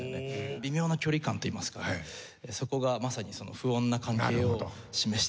微妙な距離感といいますかそこがまさに不穏な関係を示してるのかなと。